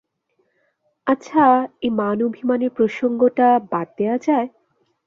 আচ্ছা, এই মান অভিমানের প্রসঙ্গটা বাদ দেয়া যায়?